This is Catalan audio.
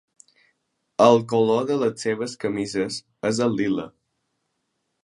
El color de les seves camises és el lila.